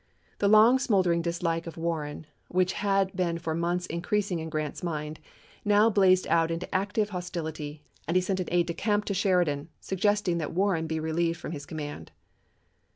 The long smoldering dislike of Warren, which had been for months increasing in Grant's mind, now blazed out into active hostility, and he sent an aide de camp to Sheridan, suggest ing that Warren be relieved from his command.